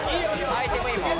アイテムいいもん。